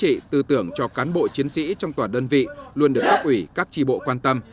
trị tư tưởng cho cán bộ chiến sĩ trong tòa đơn vị luôn được cấp ủy các tri bộ quan tâm